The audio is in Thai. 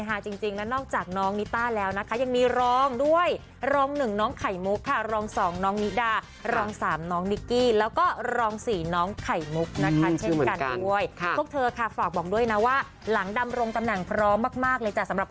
อาจจะต้องแก้บนด้วยกันไปรำนิดนึงก็ฝากติดตามนะคะ